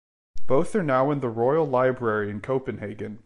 Both are now in the Royal Library in Copenhagen.